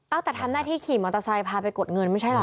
เอาแต่ทำหน้าที่ขี่มอเตอร์ไซค์พาไปกดเงินไม่ใช่เหรอ